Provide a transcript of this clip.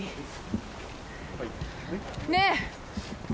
ねえ！